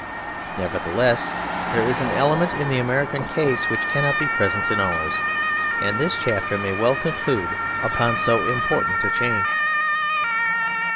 Nevertheless there is an element in the American case which cannot be present in ours; and this chapter may well conclude upon so important a change.